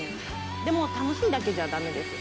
でも、楽しいだけじゃだめです。